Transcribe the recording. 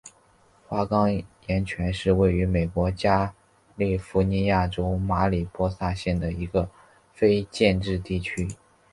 花岗岩泉是位于美国加利福尼亚州马里波萨县的一个非建制地区。